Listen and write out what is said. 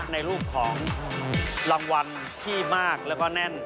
ในรูปของรางวัลที่มากแล้วก็แน่น